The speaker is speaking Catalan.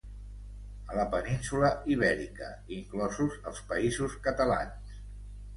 A la península Ibèrica, inclosos els Països Catalans.